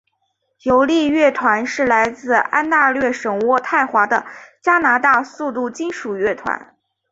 激励乐团是来自安大略省渥太华的加拿大速度金属乐团。